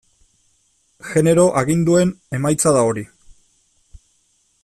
Genero aginduen emaitza da hori.